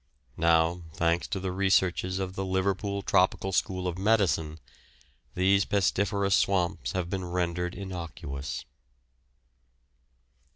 Now, thanks to the researches of the Liverpool Tropical School of Medicine, these pestiferous swamps have been rendered innocuous.